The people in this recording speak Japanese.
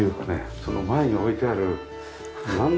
その前に置いてあるなんとも。